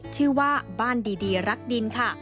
ชื่อว่าบ้านดีรักดินค่ะ